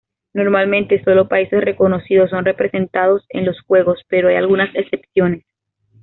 Normalmente solo países reconocidos son representados en los Juegos, pero hay algunas excepciones.